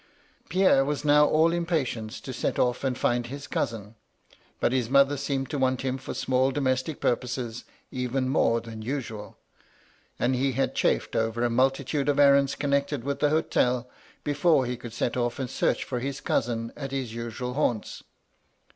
"Pierre was now all impatience to set oflFand find his cousin. But his mother seemed to want him for small domestic purposes even more than usual ; and he had chafed over a multitude of errands connected with the Hotel before he could set off and search for his cousin at his usual haunts.